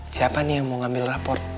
siapa nih yang mau ngambil raport